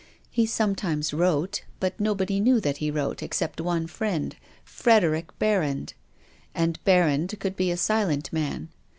He sometimes wrote, but nobody knew that he wrote except one friend, Frederic Ber rand. And Berrand could be a silent man.